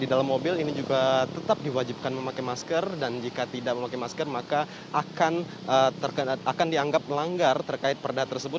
di dalam mobil ini juga tetap diwajibkan memakai masker dan jika tidak memakai masker maka akan dianggap melanggar terkait perda tersebut